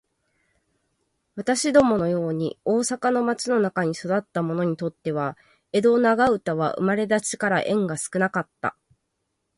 私どもの様に大阪の町の中に育つた者にとつては、江戸長唄は生れだちから縁が少かつた。